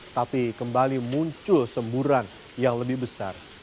tapi kembali muncul semburan yang lebih besar